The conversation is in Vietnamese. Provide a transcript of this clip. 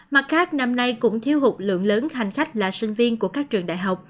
mặt khác năm nay cũng thiếu hụt lượng lớn hành khách là sinh viên của các trường đại học